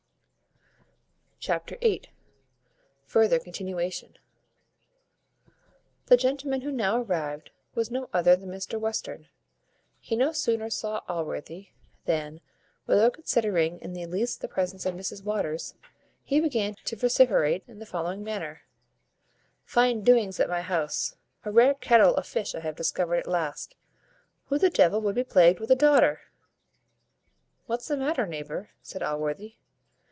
Chapter viii. Further continuation. The gentleman who now arrived was no other than Mr Western. He no sooner saw Allworthy, than, without considering in the least the presence of Mrs Waters, he began to vociferate in the following manner: "Fine doings at my house! A rare kettle of fish I have discovered at last! who the devil would be plagued with a daughter?" "What's the matter, neighbour?" said Allworthy.